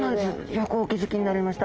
よくお気付きになりました。